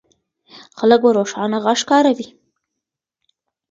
خلک به روښانه غږ کاروي.